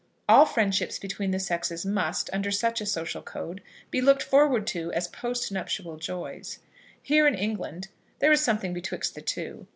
All friendships between the sexes must, under such a social code, be looked forward to as post nuptial joys. Here in England there is a something betwixt the two.